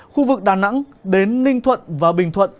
khu vực đà nẵng đến ninh thuận và bình thuận